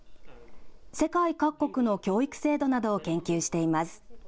世界各国の教育制度などを研究しています。